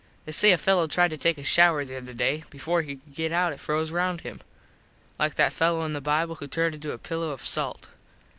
They say a fello tried to take a shouer the other day. Before he could get out it froze round him. Like that fello in the bible who turned into a pillo of salt.